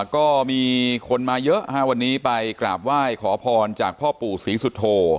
ก็มีคนมาเยอะวันนี้ไปกราบไหว้ขอพรจากพ่อปู่ศรีสุโธ